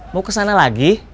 mau kesana lagi